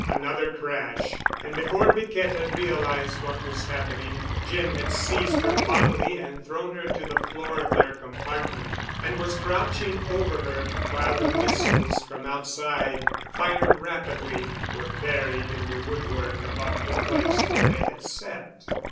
Another crash. And before Piquette had realized what was happening Jim had seized her bodily and thrown her to the floor of their compartment, and was crouching over her, while the missiles from outside, fired rapidly, were buried in the woodwork above the place where they had sat.